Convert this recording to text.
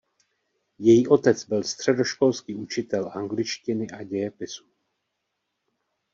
Její otec byl středoškolský učitel angličtiny a dějepisu.